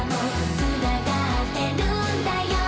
「つながってるんだよ」